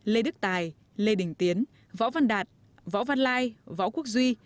lê đức tài lê đình tiến võ văn đạt võ văn lai võ quốc duy